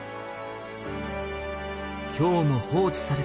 今日も放置された地球。